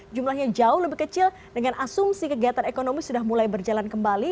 jumlahnya jauh lebih kecil dengan asumsi kegiatan ekonomi sudah mulai berjalan kembali